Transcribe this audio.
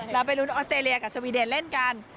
แล้วไปลุ้นออสเตรเลียกับสวีเดนเล่นกัน